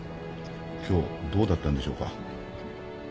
今日どうだったんでしょうか？